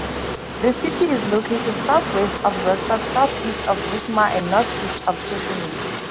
The city is located southwest of Rostock, southeast of Wismar, and northeast of Schwerin.